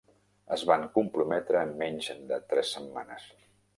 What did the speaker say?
Es van comprometre en menys de tres setmanes.